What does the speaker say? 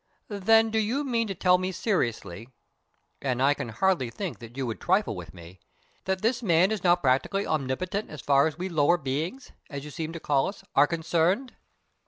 "Then, do you mean to tell me seriously and I can hardly think that you would trifle with me that this man is now practically omnipotent, as far as we lower beings, as you seem to call us, are concerned?"